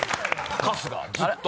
春日ずっと。